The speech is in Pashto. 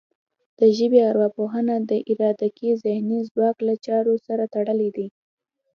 د ژبې ارواپوهنه د ادراکي ذهني ځواک له چارو سره تړلې ده